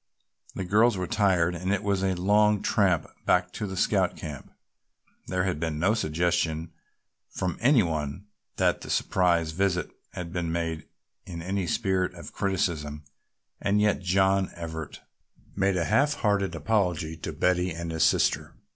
The girls were tired and it was a long tramp back to the Scout camp. There had been no suggestion from any one that the surprise visit had been made in any spirit of criticism and yet John Everett made a half hearted apology to Betty and his sister.